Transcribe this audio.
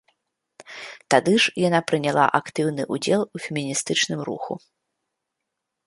Тады ж яна прыняла актыўны ўдзел у феміністычным руху.